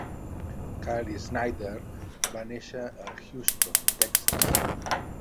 Kyle Snyder va néixer a Houston, Texas.